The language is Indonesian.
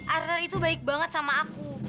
artner itu baik banget sama aku